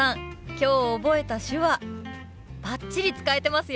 今日覚えた手話バッチリ使えてますよ！